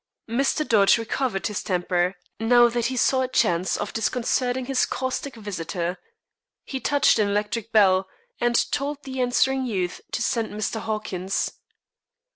Mr. Dodge recovered his temper now that he saw a chance of disconcerting his caustic visitor. He touched an electric bell, and told the answering youth to send Mr. Hawkins.